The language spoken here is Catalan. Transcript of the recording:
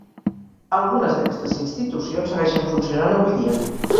Algunes d'aquestes institucions segueixen funcionant avui dia.